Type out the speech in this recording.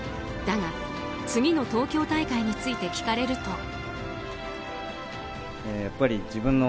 だが、次の東京大会について聞かれると。